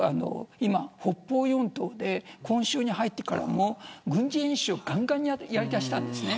今、北方四島で今週に入ってから軍事演習をがんがんにやりだした。